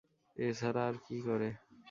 এ ছাড়া আর কী করে?